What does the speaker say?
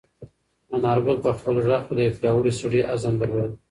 انارګل په خپل غږ کې د یو پیاوړي سړي عزم درلود.